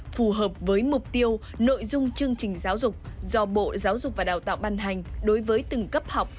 phù hợp với mục tiêu nội dung chương trình giáo dục do bộ giáo dục và đào tạo ban hành đối với từng cấp học